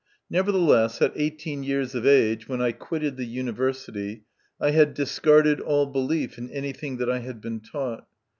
Nevertheless, at eighteen years of age, when I quitted the university, I had discarded all belief in anything that I had been taught.